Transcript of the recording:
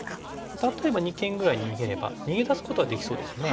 例えば二間ぐらいに逃げれば逃げ出すことはできそうですよね。